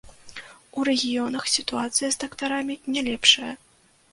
У рэгіёнах сітуацыя з дактарамі не лепшая.